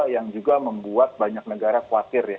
yang juga membuat banyak negara khawatir ya